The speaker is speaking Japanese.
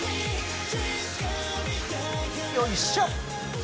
よいしょっ。